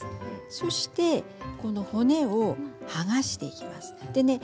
そして骨を剥がしていきます。